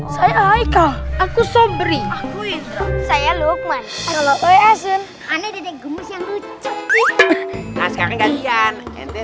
saya hai kau aku sombri saya lukman kalau asin aneh